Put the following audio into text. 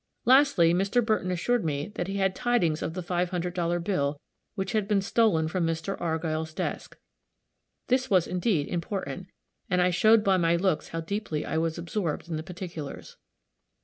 Lastly, Mr. Burton assured me that he had tidings of the five hundred dollar bill which had been stolen from Mr. Argyll's desk. This was, indeed, important, and I showed by my looks how deeply I was absorbed in the particulars.